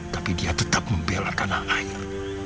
tapi dia tetap membela tanah air